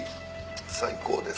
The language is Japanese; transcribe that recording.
最高です。